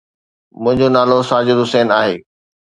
منهنجو نالو ساجد حسين آهي.